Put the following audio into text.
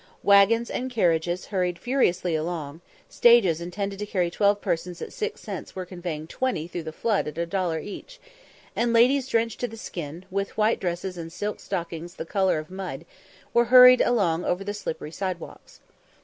Waggons and carriages hurried furiously along; stages intended to carry twelve persons at six cents were conveying twenty through the flood at a dollar each; and ladies drenched to the skin, with white dresses and silk stockings the colour of mud, were hurrying along over the slippery side walks.